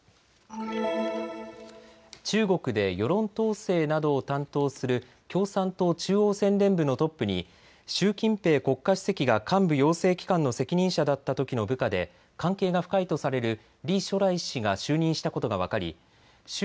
中国で世論統制などを担当する共産党中央宣伝部のトップに習近平国家主席が幹部養成機関の責任者だったときの部下で関係が深いとされる李書磊氏が就任したことが分かり習